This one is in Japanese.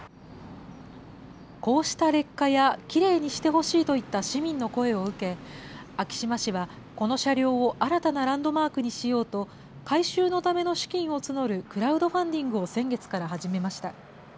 こうした劣化やきれいにしてほしいといった市民の声を受け、昭島市はこの車両を新たなランドマークにしようと、改修のための資金を募るクラウドファンディングを先月から始めました。